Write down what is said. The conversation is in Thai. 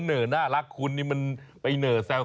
ไม่น่ารักเหรอนี่ฉันน่ะ